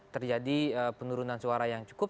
terjadi penurunan suara yang cukup